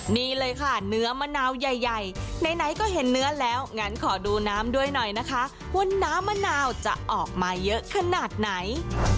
นี่เลยค่ะเนื้อมะนาวใหญ่ไหนก็เห็นเนื้อแล้วงั้นขอดูน้ำด้วยหน่อยนะคะว่าน้ำมะนาวจะออกมาเยอะขนาดไหน